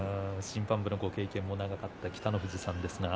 審判部のご経験も長かった北の富士さんですが。